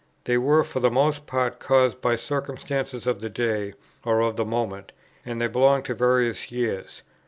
They were for the most part caused by circumstances of the day or of the moment, and they belong to various years.